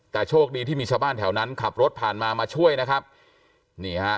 แต่โชคดีที่มีชาวบ้านแถวนั้นขับรถผ่านมามาช่วยนะครับนี่ฮะ